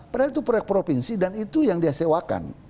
padahal itu proyek provinsi dan itu yang dia sewakan